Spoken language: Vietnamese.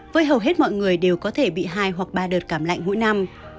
với hầu hết mọi người đều có thể bị hai hoặc ba đợt cảm lạnh mỗi năm